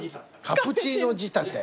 カプチーノ仕立て。